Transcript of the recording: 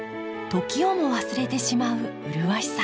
時をも忘れてしまう麗しさ。